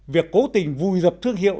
việc cố tình vùi dập thương hiệu